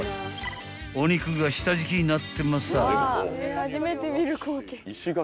お肉が下敷きになってますわよ］